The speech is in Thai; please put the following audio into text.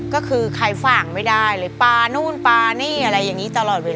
ก็คือใครฝ่างไม่ได้เลยปลานู่นปลานี่อะไรอย่างนี้ตลอดเวลา